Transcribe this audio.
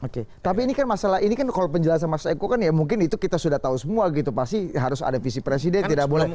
oke tapi ini kan masalah ini kan kalau penjelasan mas eko kan ya mungkin itu kita sudah tahu semua gitu pasti harus ada visi presiden tidak boleh